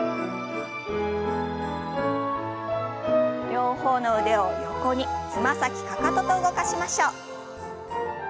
両方の腕を横につま先かかとと動かしましょう。